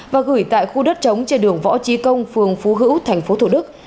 và gửi tại khu đất trống trên đường võ trí công phường phú hữu thành phố thủ đức